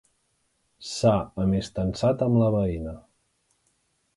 S'ha amistançat amb la veïna.